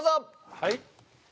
はい。